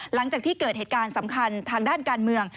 หลังจากที่เกิดเหตุการณ์สำคัญทางด้านการเมือง